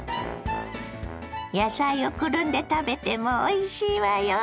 野菜をくるんで食べてもおいしいわよ。